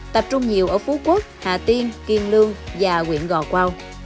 tập trung nhiều ở phú quốc hà tiên kiên lương và quyện gò quao